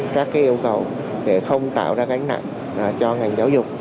các yêu cầu để không tạo ra gánh nặng cho ngành giáo dục